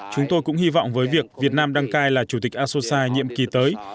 chúng tôi cũng hy vọng với việc việt nam đăng cai là chủ tịch asosai nhiệm kỳ tới